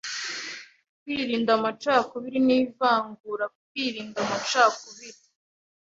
Kwirinda amacakubiri n’ivangura Kwirinda amacakubiri